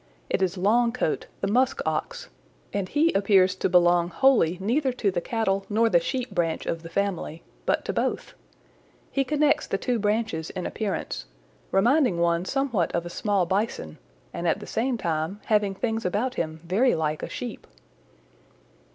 It is Longcoat the Musk Ox, and he appears to belong wholly neither to the Cattle nor the Sheep branch of the family, but to both. He connects the two branches in appearance, reminding one somewhat of a small Bison and at the same time having things about him very like a Sheep.